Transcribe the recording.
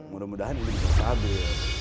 mudah mudahan ini bisa stabil